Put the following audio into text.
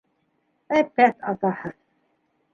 Әпәт атаһы.